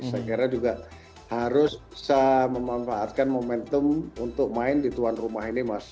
saya kira juga harus bisa memanfaatkan momentum untuk main di tuan rumah ini mas